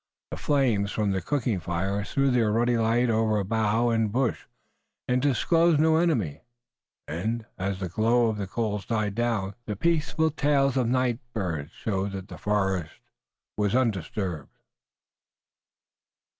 The flames from the cooking fires threw their ruddy light over bough and bush, and disclosed no enemy, and, as the glow of the coals died down, the peaceful tails of the night birds showed that the forest was undisturbed.